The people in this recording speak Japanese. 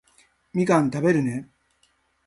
みかん食べるね